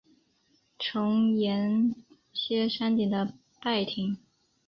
重檐歇山顶的拜亭。